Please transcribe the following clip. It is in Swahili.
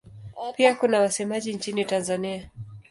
Pia kuna wasemaji nchini Tanzania.